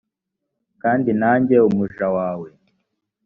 kandi nanjye umuja wawe